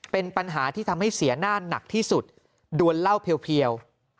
เป็นปัญหาที่ทำให้เสียหน้าหนักที่สุดดวนเหล้าเพียว